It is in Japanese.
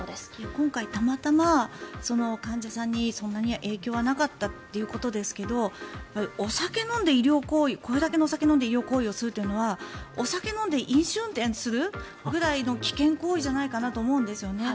今回、たまたま患者さんにそんなに影響はなかったということですけどこれだけのお酒を飲んで医療行為をするというのはお酒飲んで飲酒運転するぐらいの危険行為じゃないかと思うんですよね。